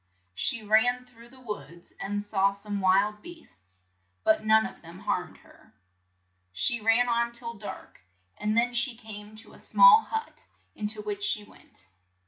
She ran through the woods, and saw some wild beasts, but none of them harmed her. She ran on till dark, and then she came to a small hut, in to which she went.